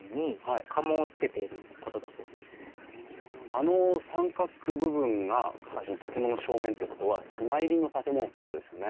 あの三角部分がこっちの建物の正面ってことは妻入りの建物ってことですよね？